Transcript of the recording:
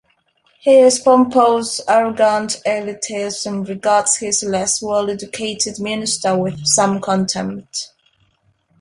He is pompous, arrogant, elitist and regards his less-well-educated minister with some contempt.